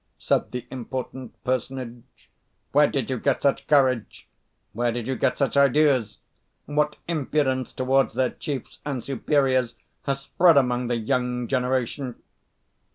said the important personage. "Where did you get such courage? Where did you get such ideas? What impudence towards their chiefs and superiors has spread among the young generation!"